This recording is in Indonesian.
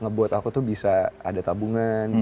ngebuat aku tuh bisa ada tabungan